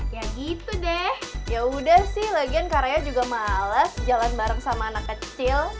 ya gitu deh ya udah sih lagian karya juga males jalan bareng sama anak kecil